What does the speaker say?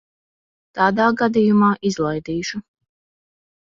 Tādā gadījumā izlaidīšu.